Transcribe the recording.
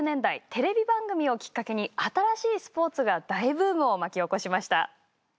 テレビ番組をきっかけに新しいスポーツが大ブームを巻き起こしました。